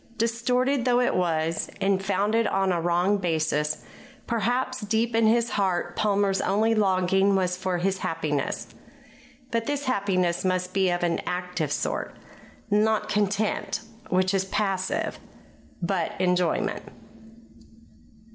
Distorted though it was, and founded on a wrong basis, perhaps, deep in his heart Palmer's only longing was for happiness; but this happiness must be of an active sort not content, which is passive, but enjoyment.